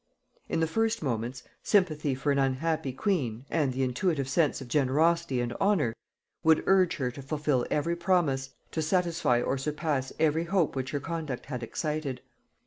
In the first moments, sympathy for an unhappy queen, and the intuitive sense of generosity and honor, would urge her to fulfil every promise, to satisfy or surpass every hope which her conduct had excited.